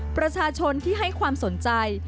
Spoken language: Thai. ประชาชนที่ให้ความสนใจ